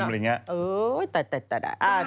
มากมาก